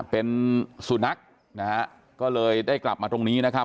เป็นสุนัขนะฮะก็เลยได้กลับมาตรงนี้นะครับ